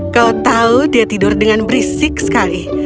kau tahu dia tidur dengan berisik sekali